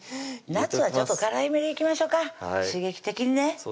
夏はちょっと辛いめにいきましょうか刺激的にね